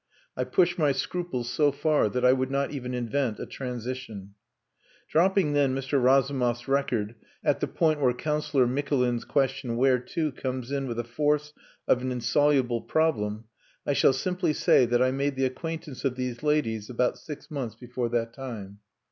I push my scruples so far that I would not even invent a transition. Dropping then Mr. Razumov's record at the point where Councillor Mikulin's question "Where to?" comes in with the force of an insoluble problem, I shall simply say that I made the acquaintance of these ladies about six months before that time.